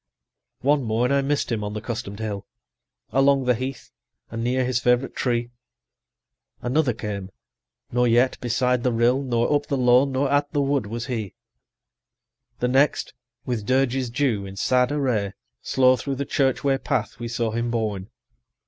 "One morn I miss'd him on the custom'd hill, Along the heath, and near his favourite tree; 110 Another came; nor yet beside the rill, Nor up the lawn, nor at the wood was he; "The next, with dirges due in sad array, Slow through the church way path we saw him borne.